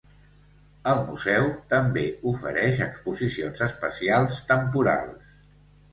El museu també ofereix exposicions especials temporals.